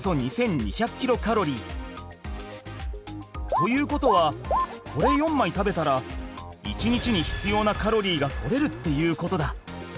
ということはこれ４枚食べたら１日に必要なカロリーが取れるっていうことだ。